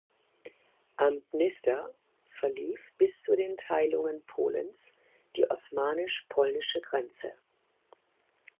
Am Dnister verlief bis zu den Teilungen Polens die osmanisch-polnische Grenze.